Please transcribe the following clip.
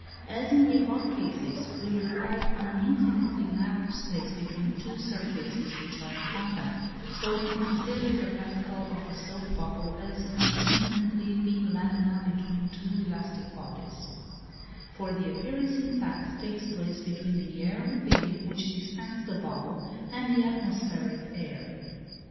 As in the above cases we required an infinitely narrow space between two surfaces which are in contact, so we can consider the pellicle of the soap bubble as an infinitely thin lamina between two elastic bodies; for the appearance in fact takes place between the air within, which distends the bubble, and the atmospheric air.